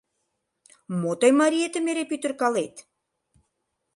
Мо тый, мариетым эре пӱтыркалет?